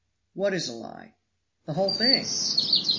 "What is a lie?" "The whole thing."